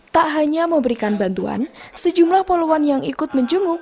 tak hanya memberikan bantuan sejumlah poluan yang ikut menjenguk